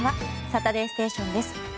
「サタデーステーション」です。